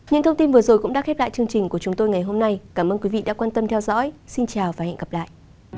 cảm ơn các bạn đã theo dõi và hẹn gặp lại